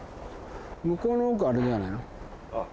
向こうの奥あれじゃないの？